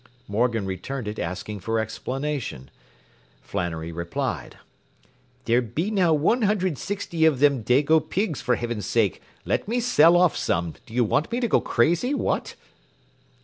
Morgan returned it asking for explanation. Flannery replied: “There be now one hundred sixty of them dago pigs, for heavens sake let me sell off some, do you want me to go crazy, what.